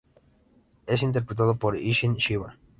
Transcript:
Es interpretado por Isshin Chiba.